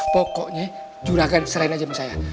pokoknya juragan seren aja sama saya